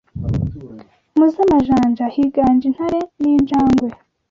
Mu z’amajanja higanje intare n’ injagwe